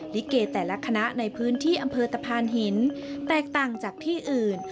ลิเกแต่ละคณะในพื้นที่อำเภอตะพานหินแตกต่างจากที่อื่น